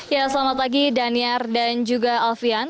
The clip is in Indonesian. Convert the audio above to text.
ya selamat pagi daniar dan juga alfian